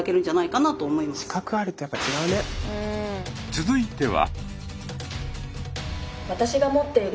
続いては。